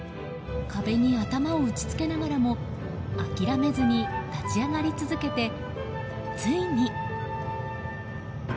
壁に頭を打ち付けながらも諦めずに立ち上がり続けてついに。